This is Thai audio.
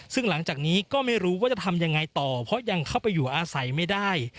ซึ่งหลังจากนี้ก็ไม่รู้ว่าจะทำยังไงต่อเพราะยังเข้าไปอยู่อาศัยไม่ได้